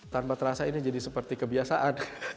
tanpa terasa ini jadi seperti kebiasaan